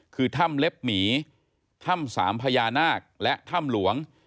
คือถ้ำเล็บหมีถ้ำสามพญานาคและถ้ำหลวง